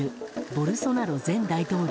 ボルソナロ前大統領。